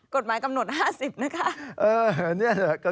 กฎหมายกำหนด๕๐นะคะ